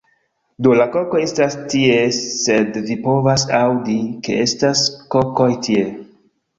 Do, la kokoj estas tie sed vi povas aŭdi, ke estas kokoj tie